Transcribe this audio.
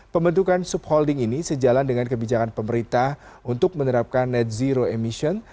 pembentukan subholding ini sejalan dengan kebijakan pemerintah untuk menerapkan net zero emission